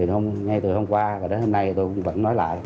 thì ngay từ hôm qua đến hôm nay tôi vẫn nói lại